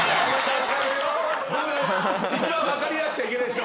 一番分かり合っちゃいけない人。